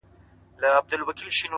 o بل څوک خو بې خوښ سوی نه وي،